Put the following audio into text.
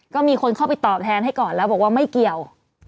ก็มีคนเข้าไปตอบแทนให้ก่อนแล้วบอกว่าไม่เกี่ยว